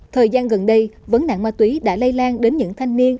thời gian gần đây vấn nạn ma túy đã lây lan đến những thanh niên